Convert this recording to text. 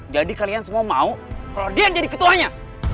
jadi kalian semua mau kalau dian jadi ketuanya